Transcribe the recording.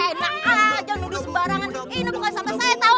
eh enak aja nudih sembarangan ini bukan sampah saya tau